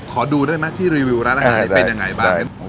ขอดูได้ไหมที่รีวิวร้านอาหารเป็นยังไงบ้าง